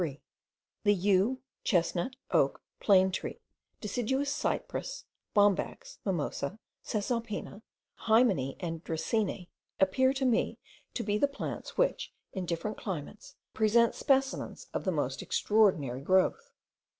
The yew, chestnut, oak, plane tree, deciduous cypress, bombax, mimosa, caesalpina, hymenaea, and dracaena, appear to me to be the plants which, in different climates, present specimens of the most extraordinary growth.